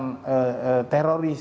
para mantan teroris